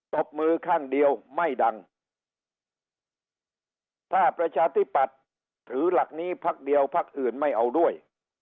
บมือข้างเดียวไม่ดังถ้าประชาธิปัตย์ถือหลักนี้พักเดียวพักอื่นไม่เอาด้วย